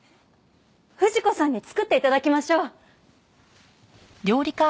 藤子さんに作って頂きましょう。